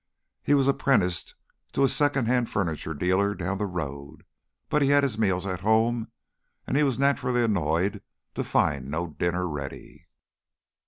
He was apprenticed to a second hand furniture dealer down the road, but he had his meals at home, and he was naturally annoyed to find no dinner ready.